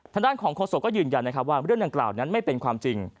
ทางด้านของโฆษกก็ยืนยันนะครับว่าเรื่องดังกล่าวนั้นไม่เป็นความจริง